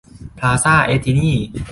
พลาซ่าแอทธินี